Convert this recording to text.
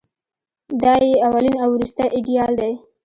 دای یې اولین او وروستۍ ایډیال دی.